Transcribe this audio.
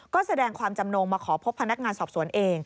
ก็แสดงความจำนงมาขอพบพนักงานสอบสวนเอง